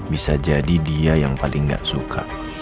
bisa jadi dia yang paling gak suka